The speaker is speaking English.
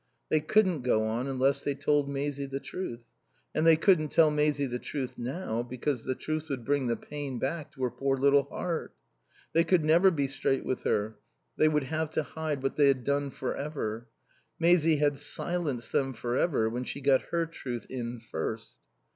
They couldn't go on unless they told Maisie the truth; and they couldn't tell Maisie the truth now, because the truth would bring the pain back to her poor little heart. They could never be straight with her; they would have to hide what they had done for ever. Maisie had silenced them for ever when she got her truth in first.